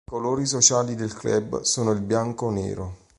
I colori sociali del club sono il bianco-nero.